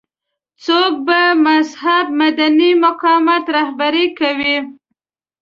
څوک به مهذب مدني مقاومت رهبري کوي.